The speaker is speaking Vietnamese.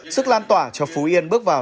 sức lan tỏa cho phú yên bước vào